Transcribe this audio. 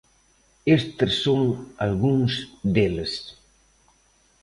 Estes son algúns deles.